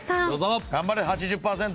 頑張れ８０％。